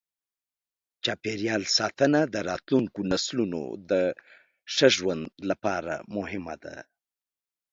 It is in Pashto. چاپېریال ساتنه د راتلونکو نسلونو د ښه ژوند لپاره مهمه ده.